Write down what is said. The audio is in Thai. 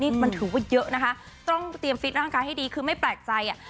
นี่มันถือว่าเยอะนะคะต้องเตรียมฟิตร่างกายให้ดีคือไม่แปลกใจอ่ะ